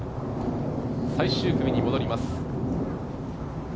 最終組に戻ります。